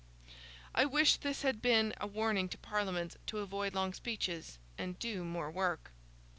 I wish this had been a warning to Parliaments to avoid long speeches, and do more work.